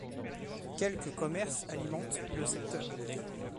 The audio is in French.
Quelques commerces alimentent le secteur.